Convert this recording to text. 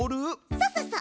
そうそうそう。